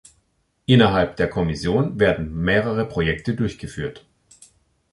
Innerhalb der Kommission werden mehrere Projekte durchgeführt.